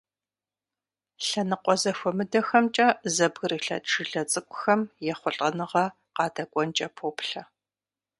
Лъэныкъуэ зэхуэмыдэхэмкӀэ зэбгрылъэт жылэ цӀыкӀухэм ехъулӀэныгъэ къадэкӏуэнкӀэ поплъэ.